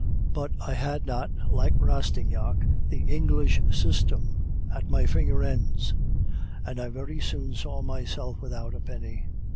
"But I had not, like Rastignac, the 'English system' at my finger ends, and I very soon saw myself without a penny.